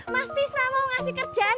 mas tisna mau kasih kerjaan